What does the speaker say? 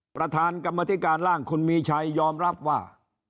ประธานกรรมธิการร่างคุณมีชัยยอมรับว่า